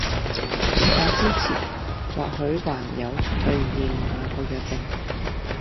送上支持，或許還有兌現那個約定！